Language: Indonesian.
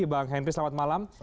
bang henry selamat malam